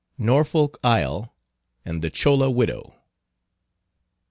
NORFOLK ISLE AND THE CHOLA WIDOW.